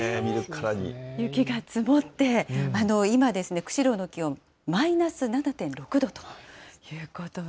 雪が積もって、今、釧路の気温マイナス７．６度ということで。